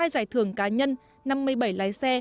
hai giải thưởng cá nhân năm mươi bảy lái xe